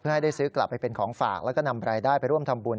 เพื่อให้ซื้อกลับไปเป็นของฝากและนำรายได้ไปร่วมทำบุญ